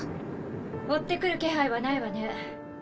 追ってくる気配はないわね。